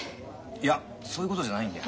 いやそういうことじゃないんだよ。